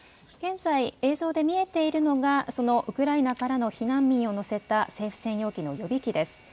現在、映像で見えているのがそのウクライナからの避難民を乗せた政府専用機の予備機です。